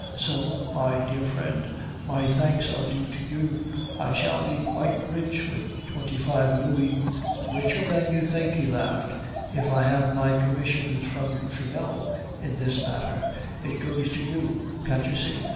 So, my dear friend, my thanks are due to you. I shall be quite rich with twenty five louis.' "'Richer than you think,' he laughed. 'If I have my commission from Finot in this matter, it goes to you, can't you see?